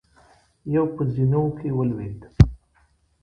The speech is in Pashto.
يو په زينو کې ولوېد.